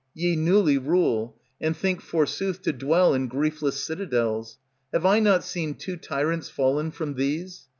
Ye newly rule, and think forsooth To dwell in griefless citadels; have I not seen Two tyrants fallen from these?